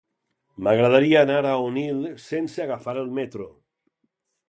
M'agradaria anar a Onil sense agafar el metro.